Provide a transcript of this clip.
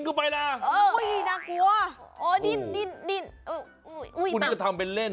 กูก็ทำเป็นเล่น